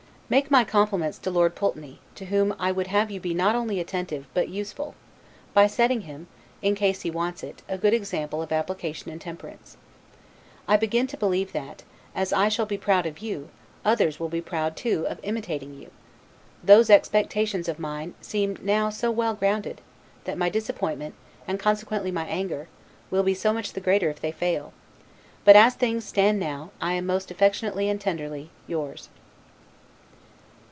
Make my compliments to Lord Pulteney, to whom I would have you be not only attentive, but useful, by setting him (in case he wants it) a good example of application and temperance. I begin to believe that, as I shall be proud of you, others will be proud too of imitating you: Those expectations of mine seem now so well grounded, that my disappointment, and consequently my anger, will be so much the greater if they fail; but as things stand now, I am most affectionately and tenderly, Yours.